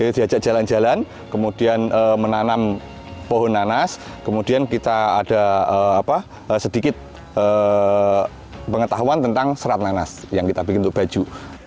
jadi diajak jalan jalan kemudian menanam pohon nanas kemudian kita ada sedikit pengetahuan tentang serat nanas yang kita bikin untuk baju